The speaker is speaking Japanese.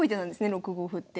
６五歩って。